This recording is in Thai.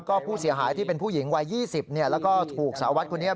ก็ผู้เสียหายที่เป็นผู้หญิงวัย๒๐แล้วก็ถูกสาววัดคนนี้